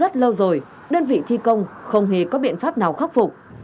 nhưng từ rất lâu rồi đơn vị thi công không hề có biện pháp nào khắc phục